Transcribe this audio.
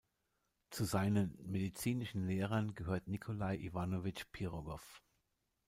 Zu seinen medizinischen Lehrern gehörte Nikolai Iwanowitsch Pirogow.